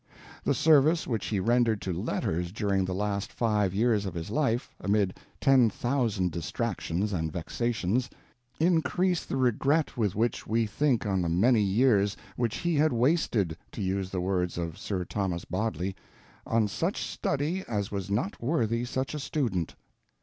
The service which he rendered to letters during the last five years of his life, amid ten thousand distractions and vexations, increase the regret with which we think on the many years which he had wasted, to use the words of Sir Thomas Bodley, "on such study as was not worthy such a student."